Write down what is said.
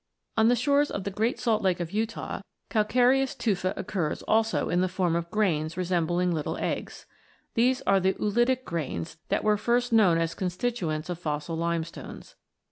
On the shores of the Great Salt Lake of Utah, calcareous tufa occurs also in the form of grains resembling little eggs. These are the oolitic grains that were first known as constituents of fossil lime stones.